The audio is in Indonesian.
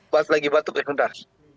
bapak lagi batuk ya sebentar